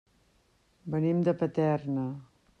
Venim de Paterna.